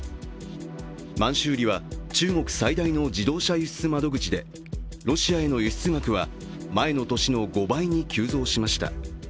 満州里は中国最大の自動車輸出窓口でロシアへの輸出額は前の年の５倍に急増しました。